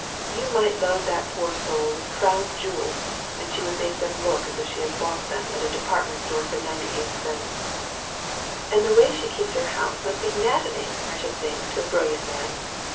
You might load that poor soul with crown jewels and she would make them look as if she had bought them at a department store for ninety eight cents. And the way she keeps her house must be maddening, I should think, to a brilliant man.